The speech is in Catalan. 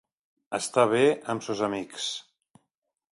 Estar bé amb sos amics.